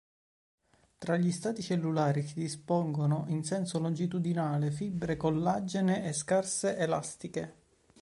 Tra gli strati cellulari si dispongono in senso longitudinale fibre collagene e scarse elastiche.